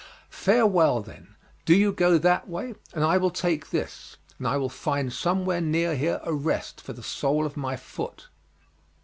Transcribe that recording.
Farewell, then, do you go that way and I will take this, and I will find somewhere near here a rest for the sole of my foot."